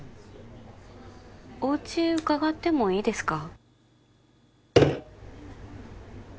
おうち伺ってもいいですか？